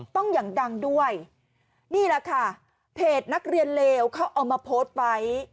ต้องอย่างดังด้วยนี่แหละค่ะเพจนักเรียนเลวเขาเอามาโพสต์ไว้